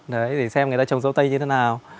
đấy để xem người ta trồng dâu tây như thế nào